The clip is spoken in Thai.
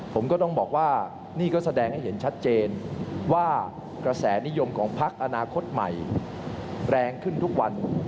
ผมก็ต้องบอกว่านี่ก็แสดงให้เห็นชัดเจนว่ากระแสนิยมของพักอนาคตใหม่แรงขึ้นทุกวัน